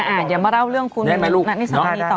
อ่าอย่ามาเล่าเรื่องคุณนัทนี้สักครั้งนี้ต่อ